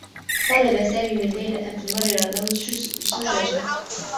طلب سامي من ليلى أن تمرّر له الزّجاجة.